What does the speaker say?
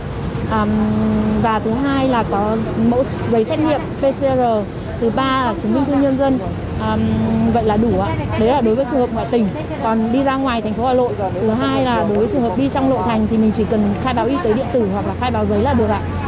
còn đi ra ngoài thành phố hà nội thứ hai là đối với trường hợp đi trong nội thành thì mình chỉ cần khai báo y tế điện tử hoặc là khai báo giấy là được ạ